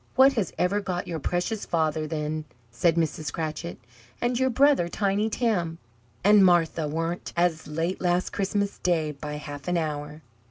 "What has ever got your precious father, then?" said Mrs. Cratchit. "And your brother, Tiny Tim? And Martha warn't as late last Christmas Day by half an hour!"